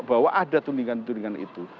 bahwa ada tudingan tudingan itu